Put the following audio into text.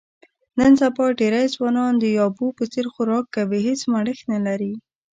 نن سبا ډېری ځوانان د یابو په څیر خوراک کوي، هېڅ مړښت نه لري.